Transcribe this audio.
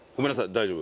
大丈夫？